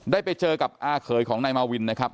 ได้ไปเจอกับอาเขยของนายมาวินนะครับ